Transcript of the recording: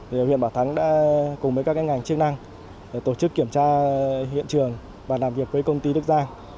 thì huyện bảo thắng đã cùng với các ngành chức năng tổ chức kiểm tra hiện trường và làm việc với công ty đức giang